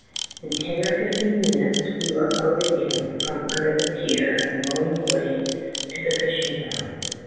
In ten or fifteen min utes we were out again from under the pier and rowing away to the fishing ground.